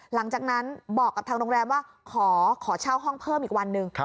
หลังจากนั้นบอกกับทางโรงแรมว่าขอเช่าห้องเพิ่มอีกวันหนึ่ง